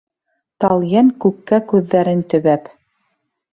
Талйән күккә күҙҙәрен төбәп: